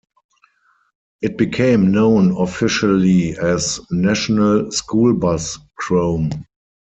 It became known officially as "National School Bus Chrome".